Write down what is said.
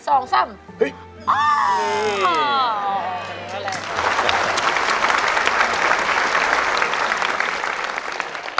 โอ้ย